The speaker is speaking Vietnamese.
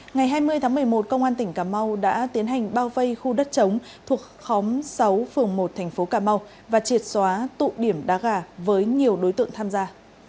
ngày hai mươi tháng một mươi một công an tỉnh cà mau đã tiến hành bao vây khu đất chống thuộc khóm sáu phường một thành phố cà mau và triệt xóa tụ điểm đá gà với nhiều đối tượng tham gia